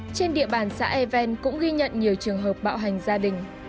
trên địa bàn xã e ven cũng ghi nhận nhiều trường hợp bạo hành gia đình